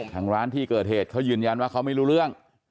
ทางร้านที่เกิดเหตุเขายืนยันว่าเขาไม่รู้เรื่อง